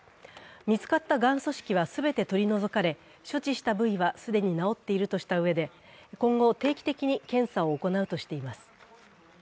見つかったがん組織は全て取り除かれ、処置した部位は既に治っているとしたうえで今後、定期的に検査を行うとしています。